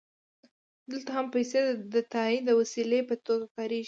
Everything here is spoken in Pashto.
دلته هم پیسې د تادیې د وسیلې په توګه کارېږي